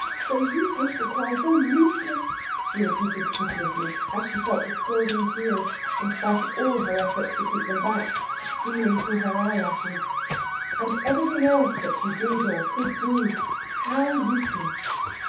"So useless to cry, so useless," she repeated piteously, as she felt the scalding tears, in spite of all her efforts to keep them back, stealing through her eyelashes. And everything else that she did or could do how useless.